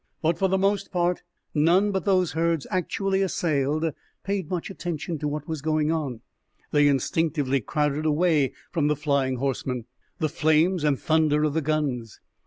But for the most part, none but those herds actually assailed paid much attention to what was going on. They instinctively crowded away from the flying horsemen, the flames and thunder of the guns.